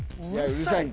うるさい